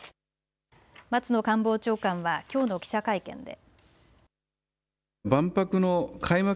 松野官房長官はきょうの記者会見で。